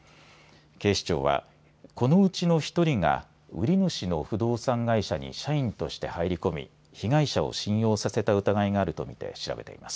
警視庁はこのうちの１人が売り主の不動産会社に社員として入り込み被害者を信用させた疑いがあると見て調べています。